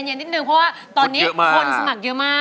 เย็นนิดนึงเพราะว่าตอนนี้คนสมัครเยอะมาก